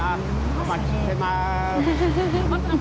お待ちしてます。